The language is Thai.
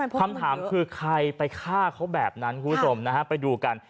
คำถามคือใครไปฆ่าเขาแบบนั้นคุณผู้ชมนะฮะไปดูกัน